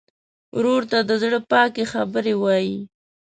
ورور ته د زړه پاکې خبرې وایې.